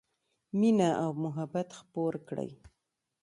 مینه او محبت خپور کړئ